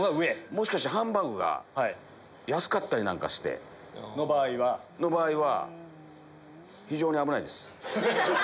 もしかしてハンバーグが安かったりなんかして。の場合は？の場合は非常に危ないです。